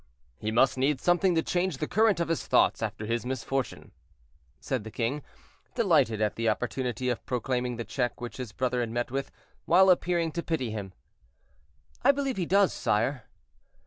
"He must need something to change the current of his thoughts after his misfortune," said the king, delighted at the opportunity of proclaiming the check which his brother had met with, while appearing to pity him. "I believe he does, sire."